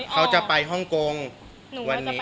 เขาจะไปฮ่องกงวันนี้